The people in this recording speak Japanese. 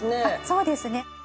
そうですね。